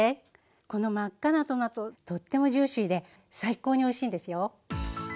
この真っ赤なトマトとってもジューシーで最高においしいんですよ。